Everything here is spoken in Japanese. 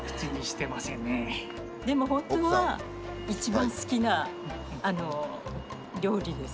でもホントは一番好きな料理です。